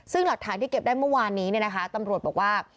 ซึ่งหลักฐานที่เก็บได้เมื่อวานนี้ตำรวจบอกว่า